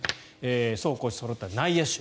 走攻守そろった内野手。